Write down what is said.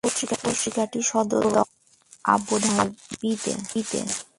পত্রিকাটির সদর দফতর আবুধাবিতে।